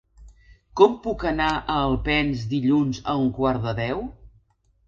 Com puc anar a Alpens dilluns a un quart de deu?